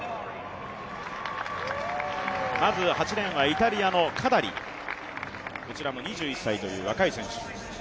まず８レーンはイタリアのカダリ、２１歳という若い選手。